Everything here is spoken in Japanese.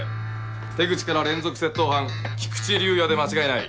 手口から連続窃盗犯菊池竜哉で間違いない。